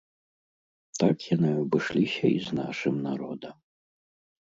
Так яны абышліся і з нашым народам.